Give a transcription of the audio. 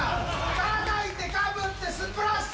たたいて、かぶって、スプラッシュ。